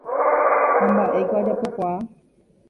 Ha mba'éiko ajapokuaa.